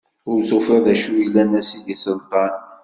Ur tufiḍ d acu yellan a sidi Selṭan.